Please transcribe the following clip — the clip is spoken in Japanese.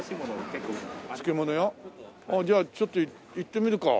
じゃあちょっと行ってみるか。